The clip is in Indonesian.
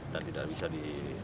dan tidak bisa dilepas